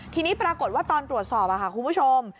ทีนี้ปรากฏว่าตอนตรวจสอบค่ะคุณผู้ชม